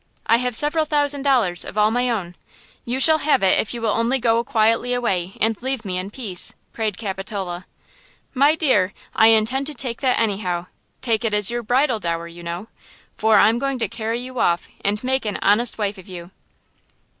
I have several thousand dollars all of my own. You shall have it if you will only go quietly away and leave me in peace!" prayed Capitola. "My dear, I intend to take that anyhow–take it as your bridal dower, you know! For I'm going to carry you off and make an honest wife of you!"